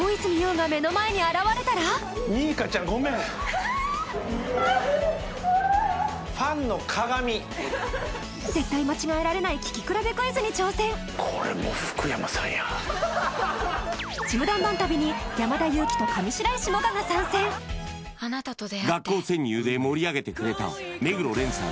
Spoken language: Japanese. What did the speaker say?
キリンのクラフトビール「スプリングバレー」絶対間違えられない聴き比べクイズに挑戦ちむどんどん旅に山田裕貴と上白石萌歌が参戦学校潜入で盛り上げてくれた目黒蓮さん